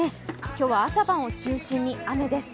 今日は朝晩を中心に雨です。